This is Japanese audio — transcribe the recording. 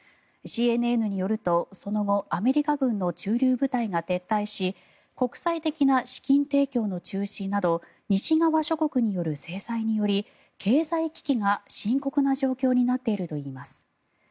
ＣＮＮによると、その後アメリカ軍の駐留部隊が撤退し国際的な資金提供の中止など西側諸国による制裁により経済危機が深刻な状況になっているといいます。